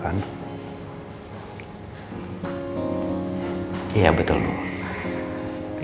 kan gue masih tetap keep contact sama michi juga kan